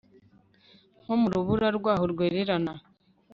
Nko mu rubura rwaho rwererana